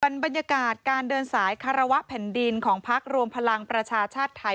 เป็นบรรยากาศการเดินสายคารวะแผ่นดินของพักรวมพลังประชาชาติไทย